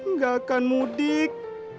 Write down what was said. gak akan mudik